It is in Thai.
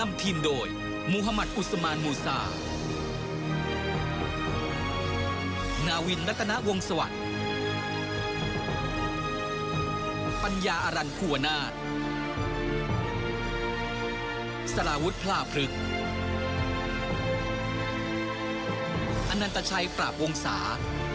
อันนันตชัยปราบวงศา